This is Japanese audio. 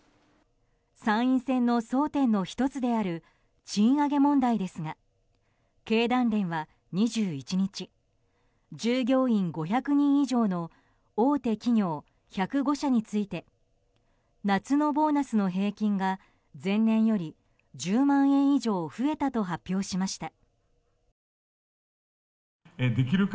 参院選の争点の１つである賃上げ問題ですが経団連は２１日従業員５００人以上の大手企業１０５社について夏のボーナスの平均が前年より１０万円以上増えたと発表しました。